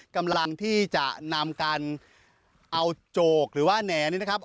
กำลังที่จะนำการเอาโจกหรือว่าแหน่นี่นะครับ